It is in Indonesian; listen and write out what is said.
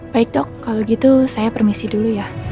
baik dok kalau gitu saya permisi dulu ya